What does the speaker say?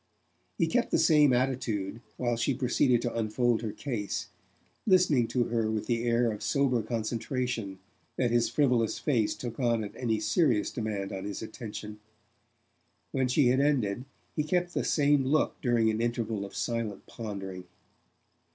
He kept the same attitude while she proceeded to unfold her case, listening to her with the air of sober concentration that his frivolous face took on at any serious demand on his attention. When she had ended he kept the same look during an interval of silent pondering.